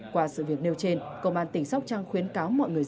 qua sự việc nêu trên công an tỉnh sóc trăng khuyến cáo